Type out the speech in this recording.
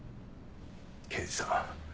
刑事さん